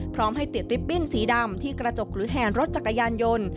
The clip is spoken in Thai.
พร้อมให้ติดลิฟตบิ้นสีดำที่กระจกหรือแห่นรถจักรยานยนต์